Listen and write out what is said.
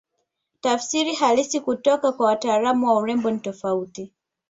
Tafsiri halisi kutoka kwa wataalamu wa urembo ni tofauti